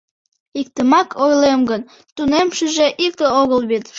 — Иктымак ойлем гын, тунемшыже икте огыл вет.